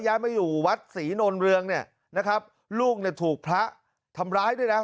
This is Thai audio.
ย้ายมาอยู่วัดศรีนวลเรืองเนี่ยนะครับลูกเนี่ยถูกพระทำร้ายด้วยนะ